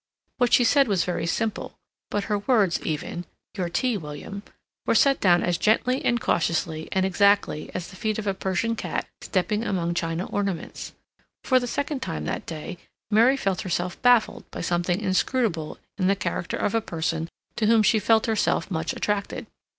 What she said was very simple, but her words, even "Your tea, William," were set down as gently and cautiously and exactly as the feet of a Persian cat stepping among China ornaments. For the second time that day Mary felt herself baffled by something inscrutable in the character of a person to whom she felt herself much attracted.